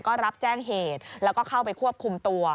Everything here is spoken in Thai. ก็รับแจ้งเหตุแล้วก็เข้าไปควบคุมตัว